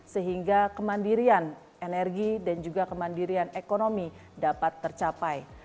sehingga kemandirian energi dan juga kemandirian ekonomi dapat tercapai